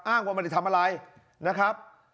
อ้างว่ามันจะทำอะไรนะครับ